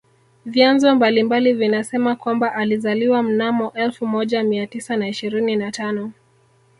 Vyanzo mbalimbali vinasema kwamba alizaliwa mnamo elfu moja Mia tisa na ishirini na tano